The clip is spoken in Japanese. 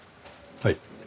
はい？